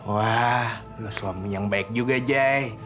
wah lu suami yang baik juga jay